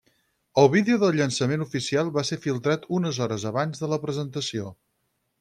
El vídeo del llançament oficial va ser filtrat unes hores abans de la presentació.